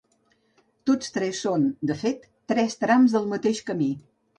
Tots tres són, de fet, tres trams del mateix camí.